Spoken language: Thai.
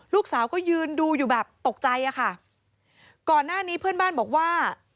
ลูกสาวก็ยืนดูอยู่แบบตกใจอะค่ะก่อนหน้านี้เพื่อนบ้านบอกว่า